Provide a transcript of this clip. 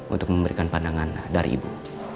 untuk memberikan pandangan dari ibu